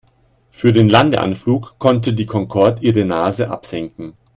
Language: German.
Für den Landeanflug konnte die Concorde ihre Nase absenken.